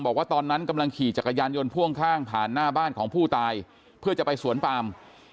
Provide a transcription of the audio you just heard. บอกว่าตอนนั้นกำลังขี่จักรยานยนต์พ่วงข้างผ่านหน้าบ้านของผู้ตายเพื่อจะไปสวนปาม